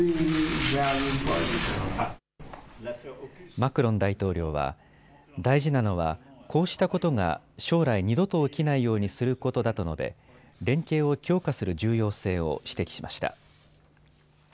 マクロン大統領は大事なのはこうしたことが将来二度と起きないようにすることだと述べ、連携を強化する重要性を指摘しました。